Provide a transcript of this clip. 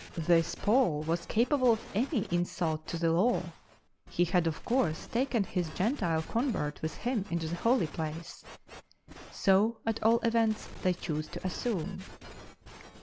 This Paul was capable of any insult to the Law; he had, of course, taken his Gentile convert with him into the Holy Place — so at all events they chose to assume.